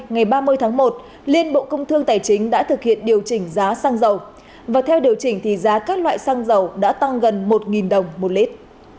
ngày ba mươi tháng một liên bộ công thương tài chính đã thực hiện điều chỉnh giá xăng dầu và theo điều chỉnh thì giá các loại xăng dầu đã tăng gần một đồng một lít